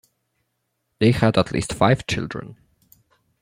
They had at least five children.